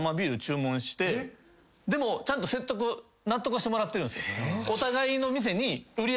でもちゃんと説得納得はしてもらってるんすよ。